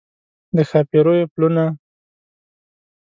د ښاپیریو پلونه